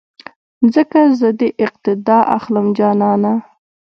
ځکه زه دې اقتیدا اخلم جانانه